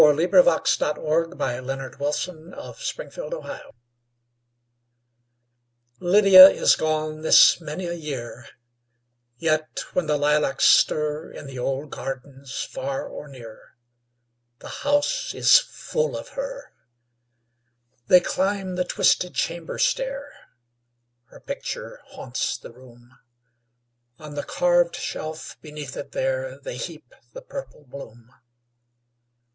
Lizette Woodworth Reese Lydia is gone this many a year LYDIA is gone this many a year, Yet when the lilacs stir, In the old gardens far or near, The house is full of her. They climb the twisted chamber stair; Her picture haunts the room; On the carved shelf beneath it there, They heap the purple bloom.